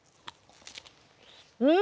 うん！